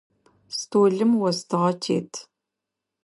Столым остыгъэ тет.